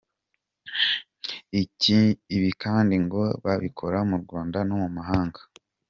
Ibi kandi ngo babikora mu Rwanda no mu mahanga.